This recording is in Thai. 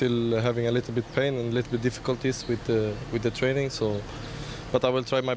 นั้นคือเขามาช่วยในสุดท้าย